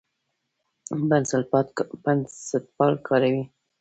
بنسټپال کاروي.